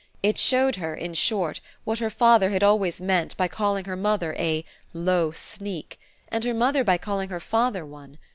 It showed her in short what her father had always meant by calling her mother a "low sneak" and her mother by calling her father one.